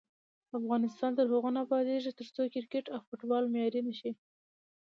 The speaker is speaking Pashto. افغانستان تر هغو نه ابادیږي، ترڅو کرکټ او فوټبال معیاري نشي.